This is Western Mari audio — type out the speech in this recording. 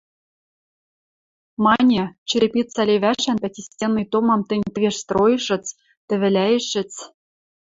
Мане, черепица левӓшӓн пятистенный томам тӹнь тӹвеш стройышыц, тӹвӹлӓйӹшӹц...